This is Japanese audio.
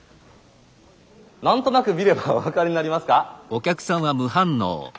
何となく見ればお分かりになりますか？